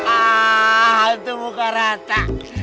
ah tuh muka rata